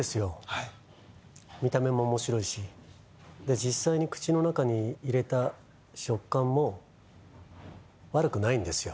はい見た目も面白いしで実際に口の中に入れた食感も悪くないんですよ